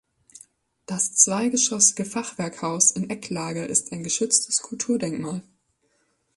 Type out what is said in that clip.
Das zweigeschossige Fachwerkhaus in Ecklage ist ein geschütztes Kulturdenkmal.